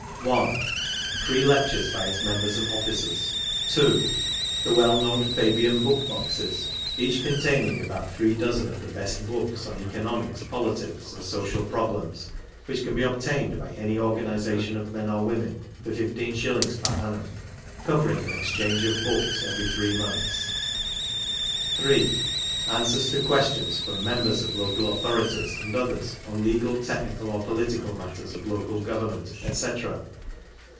1 ,.',■■>' (i ) Free lectures by its members and oiBcers ;;''',.,'•'/^.■'■',.' (ii.) The well known Fabian Book boxes, each containing about three dozen of the best boots od Economics, Politics and Social Problems, which can be obtained by any organization of men or women for 15s. per annum, covering an exchange of books every three months ; (iii.) Answers. to Questions from Members of Local Authorities and othera on legal, technical or pohtical mattersof Local Government, etc. ;v. ■'^,i..:V'